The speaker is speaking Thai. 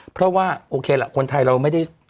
เพราะว่าโอเคล่ะคนไทยเราไม่ได้